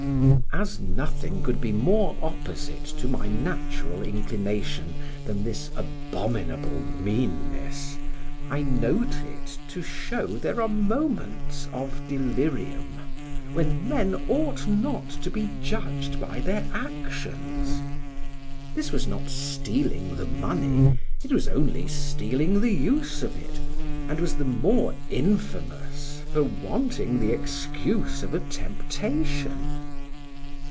As nothing could be more opposite to my natural inclination than this abominable meanness, I note it, to show there are moments of delirium when men ought not to be judged by their actions: this was not stealing the money, it was only stealing the use of it, and was the more infamous for wanting the excuse of a temptation.